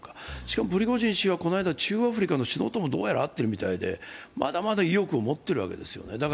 しかもプリゴジン氏はこの間、中央アフリカの首脳ともどうやら会ってるみたいで、まだまだ意欲を持ってるみたいです。